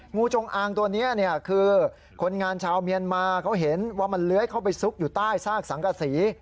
งูจงอางตัวนี้เนี่ยคือคนงานชาวเมียนมาเขาเห็นว่ามันเลื้อยเข้าไปซุกอยู่ใต้ซากสังกษี